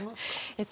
えっと